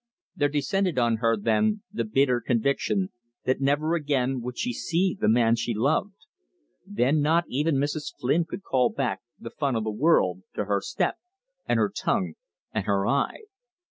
There descended on her then the bitter conviction that never again would she see the man she loved. Then not even Mrs. Flynn could call back "the fun o' the world" to her step and her tongue and her eye.